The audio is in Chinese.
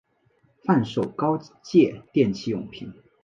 贩售高阶电器用品